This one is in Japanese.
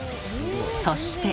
そして。